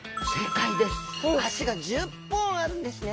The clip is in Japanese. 脚が１０本あるんですね！